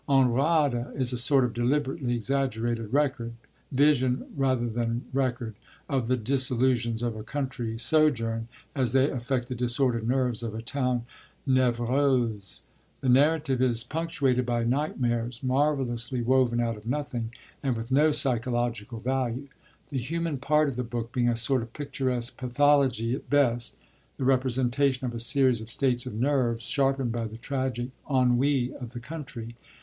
En Rade is a sort of deliberately exaggerated record vision rather than record of the disillusions of a country sojourn, as they affect the disordered nerves of a town névrose. The narrative is punctuated by nightmares, marvellously woven out of nothing, and with no psychological value the human part of the book being a sort of picturesque pathology at best, the representation of a series of states of nerves, sharpened by the tragic ennui of the country.